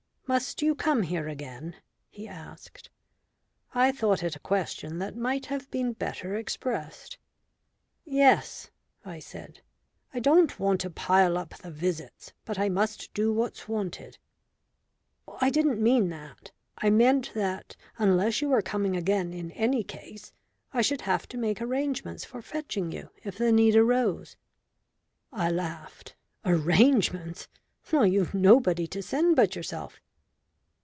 "Must you come here again?" he asked. I thought it a question that might have been better expressed. "Yes," I said. "I don't want to pile up the visits, but I must do what's wanted." "I didn't mean that. I meant that unless you were coming again in any case, I should have to make arrangements for fetching you if the need arose." I laughed. "Arrangements? Well, you've nobody to send but yourself?"